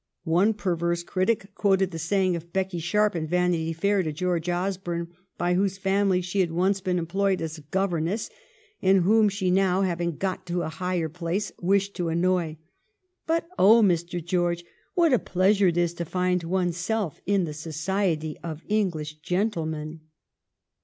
One perverse critic quoted the saying of Becky Sharp in " Vanity Fair " to George Osborne, by whose family she had once been employed as gov erness and whom she now, having got to a higher place, wished to annoy :" But O ! Mr. George, what a pleasure it is to find one's self in the society of English gentlemen.''